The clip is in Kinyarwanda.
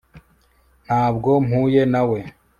ntabwo mpuye na we